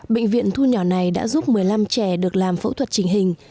bệnh viện thu nhỏ này đã giúp một mươi năm trẻ được làm phẫu thuật trình hình